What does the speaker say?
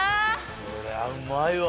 これはうまいわ。